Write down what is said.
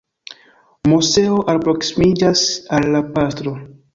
Moseo alproksimiĝas al la pastro.